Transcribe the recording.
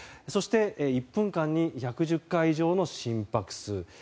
そして、１分間に１１０回以上の心拍数。